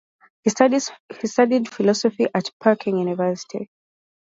He studied Philosophy at Peking University.